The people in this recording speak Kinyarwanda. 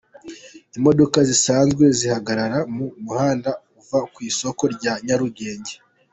Imodoka zisanzwe zihagarara mu muhanda uva ku isoko rya Nyarugenge.